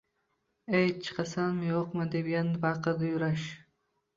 Ey, chiqasanmi-yoʻqmi? – deb yana baqirdi Yurash.